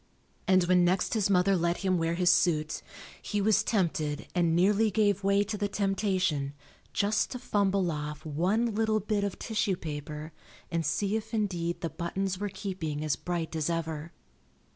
And when next his mother let him wear his suit, he was tempted and nearly gave way to the temptation just to fumble off one little bit of tissue paper and see if indeed the buttons were keeping as bright as ever.